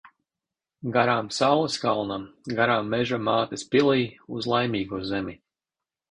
Garām saules kalnam, garām Meža mātes pilij. Uz Laimīgo zemi.